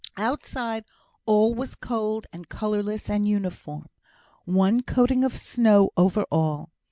Outside all was cold, and colourless, and uniform, one coating of snow over all.